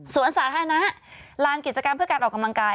ส่วนสาธารณะลานกิจกรรมเพื่อการออกกำลังกาย